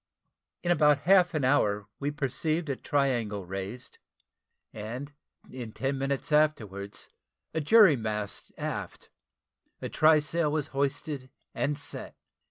In about half an hour we perceived a triangle raised; and in ten minutes afterwards, a jury mast abaft a try sail was hoisted and set.